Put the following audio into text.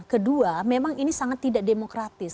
kedua memang ini sangat tidak demokratis